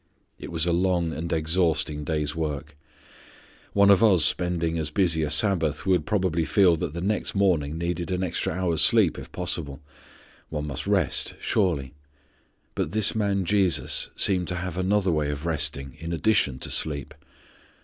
It was a long and exhausting day's work. One of us spending as busy a Sabbath would probably feel that the next morning needed an extra hour's sleep if possible. One must rest surely. But this man Jesus seemed to have another way of resting in addition to sleep.